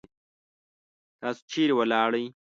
تاسو چیرې ولاړی؟